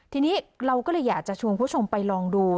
ทีนี้เราก็เลยอยากจะชวนคุณผู้ชมไปลองดู